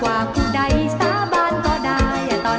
ฮักเพียยงเชื่อทางธุักราคาโพง